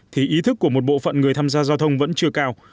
thì ý thức của một bộ phận người tham gia giao thông vẫn chưa cao